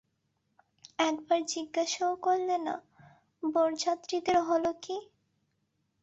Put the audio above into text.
একবার জিজ্ঞাসাও করলে না, বরযাত্রীদের হল কী।